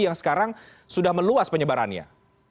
yang sekarang sudah meluas penyebarannya